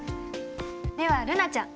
では瑠菜ちゃん。